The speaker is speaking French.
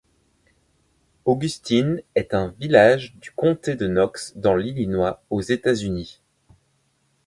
Augustine est un village du comté de Knox dans l'Illinois, aux États-Unis.